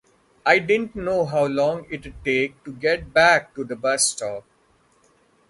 I didn't know how long it'd take to get back to the bus stop.